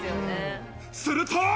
すると。